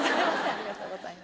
ありがとうございます。